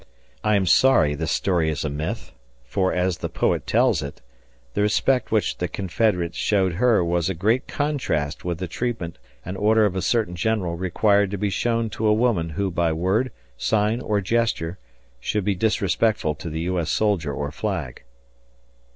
I am sorry the story is a myth, for, as the poet tells it, the respect which the Confederates showed her was a great contrast with the treatment an order of a certain general required to be shown to a woman who by word, sign, or gesture should be disrespectful to the U. S. soldier or flag.